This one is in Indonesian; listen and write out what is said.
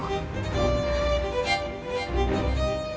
dia bukan pembunuh